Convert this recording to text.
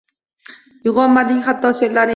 Uygʻonmading, hatto sheʼrlaring